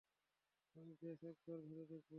আমি ব্যাস একবার ধরে দেখবো।